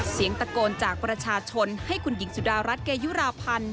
เสียงตะโกนจากประชาชนให้คุณหญิงสุดารัฐเกยุราพันธ์